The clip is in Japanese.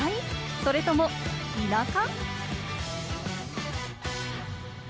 それとも田舎？